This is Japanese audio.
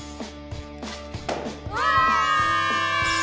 うわ！